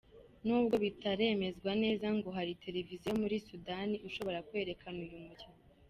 Nubwo bitaremezwa neza, ngo hari televiziyo yo muri Sudani ishobora kwerekana uyu mukino.